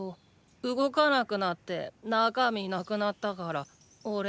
動かなくなって中身なくなったからおれ